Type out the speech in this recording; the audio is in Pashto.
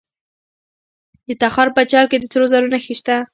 د تخار په چال کې د سرو زرو نښې شته.